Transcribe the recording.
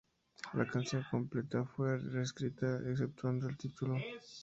La canción completa fue reescrita, exceptuando el título.